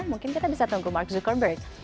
mungkin kita bisa tunggu mark zuckerberg